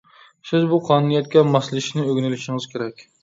سىز بۇ قانۇنىيەتكە ماسلىشىشنى ئۆگىنىۋېلىشىڭىز كېرەك.